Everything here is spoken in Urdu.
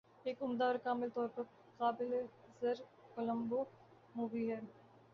ایک عمدہ اور کامل طور پر قابل نظارہ کولمبو مووی ہے